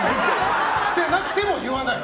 来てなくても言わない！